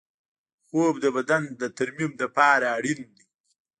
خوب د بدن د ترمیم لپاره اړین دی